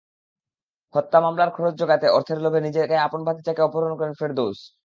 হত্যা মামলার খরচ জোগাতে অর্থের লোভে নিজের আপন ভাতিজাকে অপহরণ করেন ফেরদৌস।